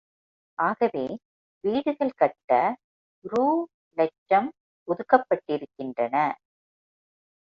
ஆகவே வீடுகள் கட்ட ரூ இலட்சம் ஒதுக்கப்பட்டிருக்கின்றன.